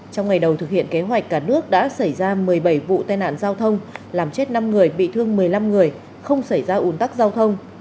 trong ngày đầu thực hiện kế hoạch cả nước đã xảy ra một mươi bảy vụ tai nạn giao thông làm chết năm người bị thương một mươi năm người không xảy ra ủn tắc giao thông